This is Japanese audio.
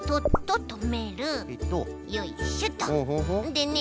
でね